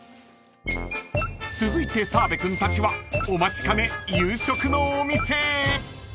［続いて澤部君たちはお待ちかね夕食のお店へ］